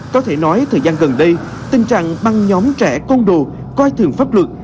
có thể nói thời gian gần đây tình trạng băng nhóm trẻ côn đồ coi thường pháp luật